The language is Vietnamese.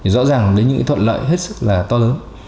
rõ ràng đến những thuận lợi hết sức là to lớn